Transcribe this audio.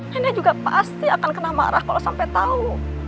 hendak juga pasti akan kena marah kalau sampai tahu